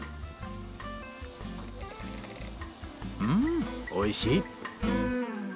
うんおいしい。